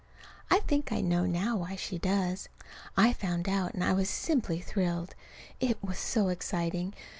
I think I know now why she does. I found out, and I was simply thrilled. It was so exciting!